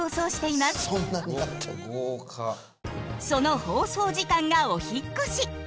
その放送時間がお引っ越し！